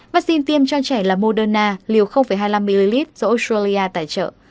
vaccine tiêm cho trẻ là moderna liều hai mươi năm ml do australia tài trợ